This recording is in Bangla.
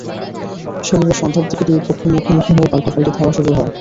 শনিবার সন্ধ্যার দিকে দুই পক্ষ মুখোমুখি হলে পাল্টাপাল্টি ধাওয়া শুরু হয়।